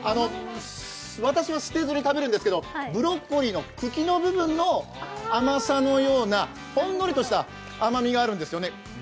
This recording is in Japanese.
私は捨てずに食べるんですけれども、ブロッコリーの茎の部分の甘さのようなほんのりとした甘みがあるんですよね。